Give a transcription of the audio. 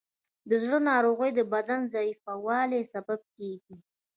د زړه ناروغۍ د بدن ضعیفوالی سبب کېږي.